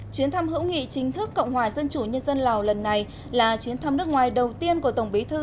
chuyến thăm hữu nghị chính thức cộng hòa dân chủ nhân dân lào lần này là chuyến thăm nước ngoài đầu tiên của tổng bí thư